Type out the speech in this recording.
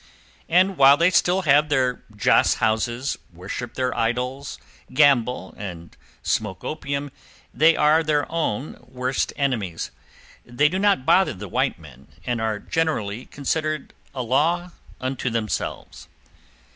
And while they still have their joss houses, worship their idols, gamble, and smoke opium, they are their own worst enemies; they do not bother the white men, and are generally considered a law unto themselves.